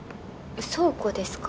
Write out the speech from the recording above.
倉庫ですか？